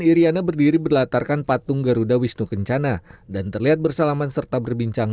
iryana berdiri berlatarkan patung garuda wisnu kencana dan terlihat bersalaman serta berbincang